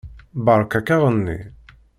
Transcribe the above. Beṛka-k aɣenni.